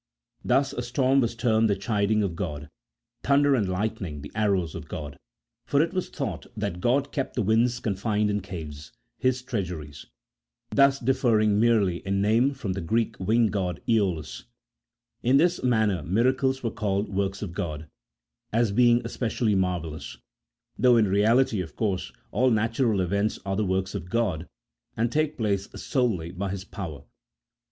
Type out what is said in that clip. Thus a storm was termed the chiding of God, thunder and lightning the arrows of God, for it was thought that God kept the winds confined in caves, His treasuries; thus differing merely in name from the Greek wind god Eolus, In like manner miracles were called works of God, as being especially marvellous ; though in reality, of course, all natural events are the works of God, and take place solely by His power.